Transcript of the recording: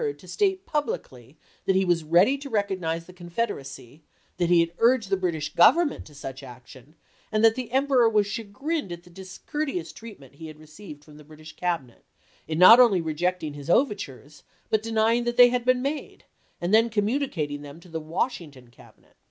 to state publicly that he was ready to recognize the Confederacy, that he had urged the British Government to such action, and that the Emperor was chagrined at the discourteous treatment he had received from the British Cabinet in not only rejecting his overtures, but denying that they had been made, and then communicating them to the Washington Cabinet.